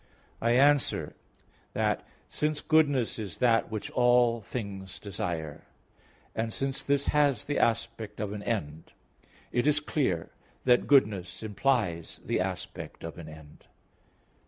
I answer that, Since goodness is that which all things desire, and since this has the aspect of an end, it is clear that goodness implies the aspect of an end.